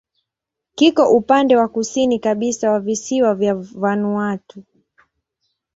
Kiko upande wa kusini kabisa wa visiwa vya Vanuatu.